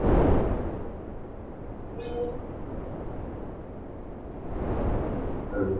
Soon after, there was yet another major lineup change.